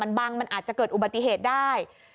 มันบังมันอาจจะเกิดอุบัติเหตุได้